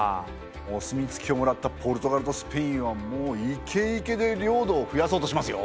お墨付きをもらったポルトガルとスペインはもうイケイケで領土を増やそうとしますよ。